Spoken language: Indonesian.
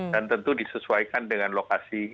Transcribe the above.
dan tentu disesuaikan dengan lokasi